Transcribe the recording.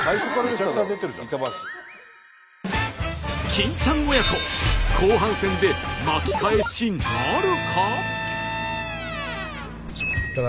金ちゃん親子後半戦で巻き返しなるか？